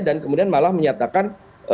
dan kemudian malah menyatakan